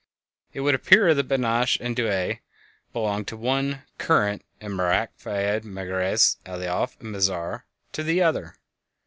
It would appear that Benetnasch and Dubhe belong to one "current," and Merak, Phaed, Megrez, Alioth, and Mizar to the other.